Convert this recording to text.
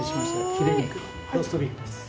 ヒレ肉のローストビーフです。